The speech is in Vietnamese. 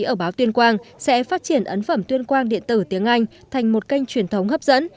ở báo tuyên quang sẽ phát triển ấn phẩm tuyên quang điện tử tiếng anh thành một kênh truyền thống hấp dẫn